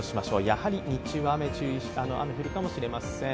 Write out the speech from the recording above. やはり日中は雨が降るかもしれません。